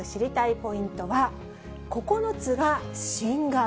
ポイントは、９つが新顔。